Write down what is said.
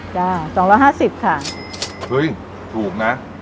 จ้ะ๒๕๐ค่ะเฮ้ยถูกนะ